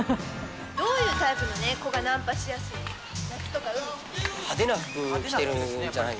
どういうタイプの子がナンパしやすい？